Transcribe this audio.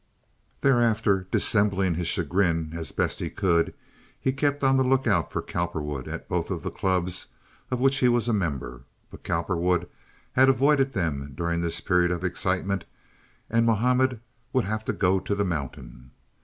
Thereafter, dissembling his chagrin as best he could, he kept on the lookout for Cowperwood at both of the clubs of which he was a member; but Cowperwood had avoided them during this period of excitement, and Mahomet would have to go to the mountain.